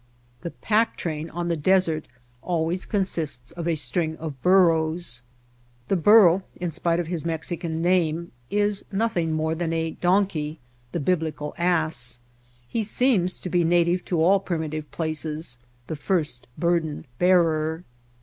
The pack train on the desert always con sists of a string of burros. The burro in spite of his Mexican name, is nothing more than a donkey, the biblical ass. He seems to be native to all primitive places, the first burden bearer.